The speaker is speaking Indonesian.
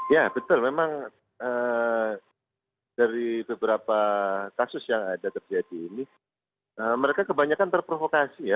ya betul memang dari beberapa kasus yang ada terjadi ini mereka kebanyakan terprovokasi ya